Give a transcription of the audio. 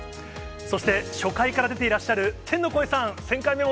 そして初回から出ていらっしゃる天の声さん。